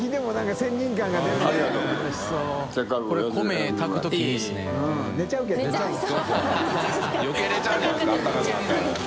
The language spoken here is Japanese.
招寝ちゃうんじゃないですか？